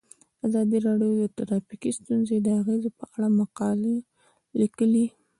ازادي راډیو د ټرافیکي ستونزې د اغیزو په اړه مقالو لیکلي.